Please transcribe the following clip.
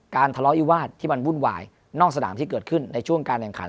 ทะเลาะวิวาสที่มันวุ่นวายนอกสนามที่เกิดขึ้นในช่วงการแข่งขัน